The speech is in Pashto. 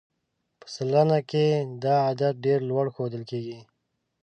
په سلنه کې دا عدد ډېر لوړ ښودل کېږي.